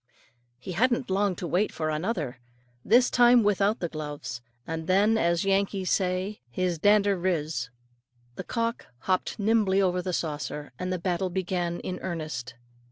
He hadn't long to wait for another either this time without the gloves; and then, as the Yankees say, his "dander riz." The cock hopped nimbly over the saucer, and the battle began in earnest.